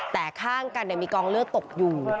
แต่ข้างกันมีกองเลือดตกอยู่